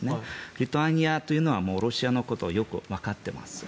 リトアニアというのはロシアのことをよくわかっています。